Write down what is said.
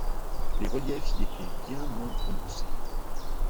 Les reliefs y étaient bien moins prononcés.